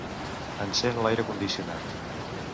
Encén l'aire condicionat.